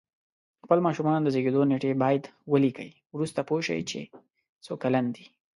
خپل ماشومانو د زیږېدو نېټه باید ولیکئ وروسته پوه شی چې څو کلن دی